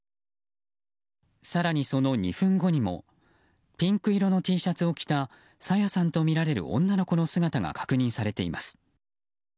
更にその２分後にもピンク色のＴシャツを着た朝芽さんとみられる女の子の姿が確認されています。